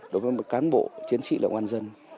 đối với một cán bộ chiến sĩ lợi quan dân